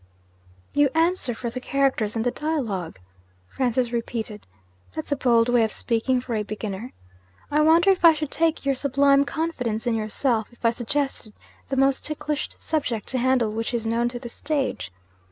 'You answer for the characters and the dialogue,' Francis repeated. 'That's a bold way of speaking for a beginner! I wonder if I should shake your sublime confidence in yourself, if I suggested the most ticklish subject to handle which is known to the stage?